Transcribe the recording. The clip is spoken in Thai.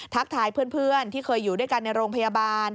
ทักทายเพื่อนที่เคยอยู่ด้วยกันในโรงพยาบาล